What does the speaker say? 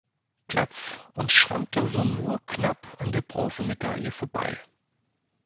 Platz und schrammte so nur knapp an der Bronzemedaille vorbei.